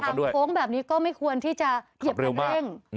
โค้งแบบนี้ก็ไม่ควรที่จะเหยียบคันเร่ง